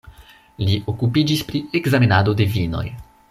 Li okupiĝis pri ekzamenado de vinoj.